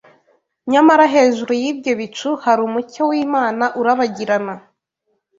nyamara hejuru y’ibyo bicu hari umucyo w’Imana urabagirana.